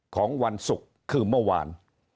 ของวันศุกร์คือเมื่อวาน